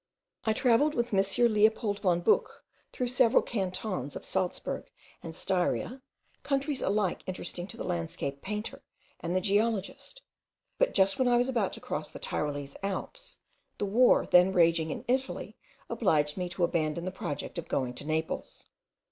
I travelled with M. Leopold von Buch, through several cantons of Salzburg and Styria, countries alike interesting to the landscape painter and the geologist; but just when I was about to cross the Tyrolese Alps, the war then raging in Italy obliged me to abandon the project of going to Naples.